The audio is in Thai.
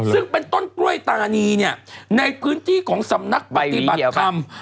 ซึ่งเป็นต้นกล้วยตานีเนี่ยในพื้นที่ของสำนักปฏิบัติธรรม